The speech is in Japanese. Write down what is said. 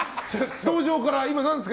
登場から何ですか？